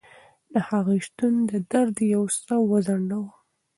د هغې شتون درد یو څه وځنډاوه.